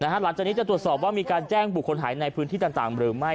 หลังจากนี้จะตรวจสอบว่ามีการแจ้งบุคคลหายในพื้นที่ต่างหรือไม่